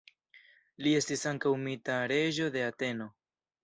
Li estis ankaŭ mita reĝo de Ateno.